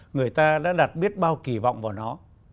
người ta đã đặt biết bao kỳ vọng vào nó